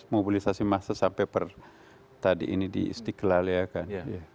mobilisasi masa sampai tadi ini di istiqlal ya kan